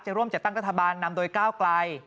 ร่วมจัดตั้งรัฐบาลนำโดยก้าวไกล